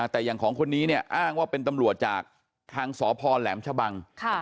แต่อย่างของคนนี้เนี่ยอ้างว่าเป็นตำรวจจากทางสพแหลมชะบัง